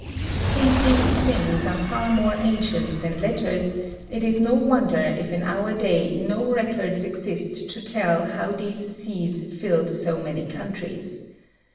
Since these things are far more ancient than letters, it is no wonder if in our day no records exist to tell how these seas filled so many countries.